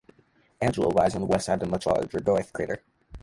Angelou lies on the west side of the much larger Goethe crater.